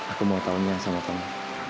aku mau taunya sama temen